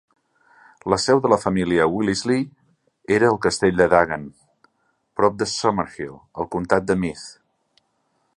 La seu de la família Wellesley era el castell de Dangan, prop de Summerhill, al comtat de Meath.